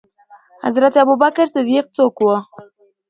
حضرت ابوبکر صديق څوک وو؟